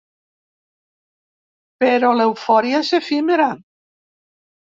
Però l'eufòria és efímera.